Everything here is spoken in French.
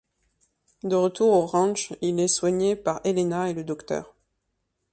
De retour au ranch, il est soigné par Helena et le docteur.